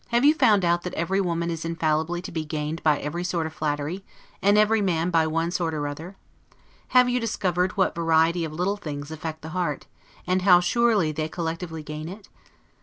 Have you found out that every woman is infallibly to be gained by every sort of flattery, and every man by one sort or other? Have you discovered what variety of little things affect the heart, and how surely they collectively gain it?